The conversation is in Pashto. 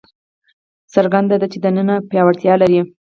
څرګنده ده چې دننه پیاوړتیا لري.